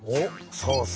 そうそう！